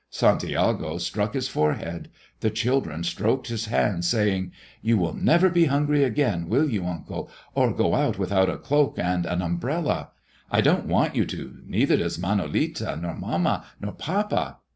Santiago struck his forehead; the children stroked his hands, saying, "You will never be hungry again, will you, uncle? Or go out without a cloak and an umbrella? I don't want you to, neither does Manolita, nor mamma, nor papa."